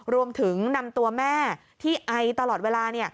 รวมถึงนำตัวแม่ที่ไอตลอดเวลา